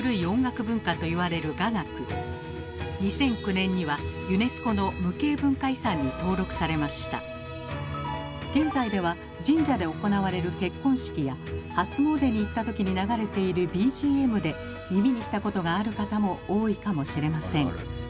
２００９年には現在では神社で行われる結婚式や初詣に行った時に流れているＢＧＭで耳にしたことがある方も多いかもしれません。